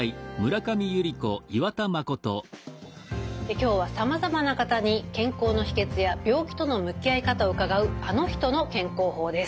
今日はさまざまな方に健康の秘けつや病気との向き合い方を伺う「あの人の健康法」です。